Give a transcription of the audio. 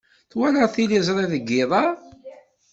Twalaḍ tiliẓri deg yiḍ-a?